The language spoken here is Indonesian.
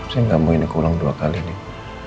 saya nggak mau ini keulang dua kali nih